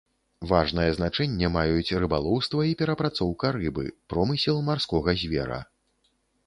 Важнае значэнне маюць рыбалоўства і перапрацоўка рыбы, промысел марскога звера.